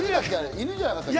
犬じゃなかったっけ？